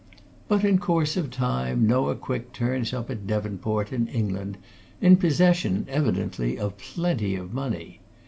But in course of time Noah Quick turns up at Devonport in England, in possession, evidently, of plenty of money.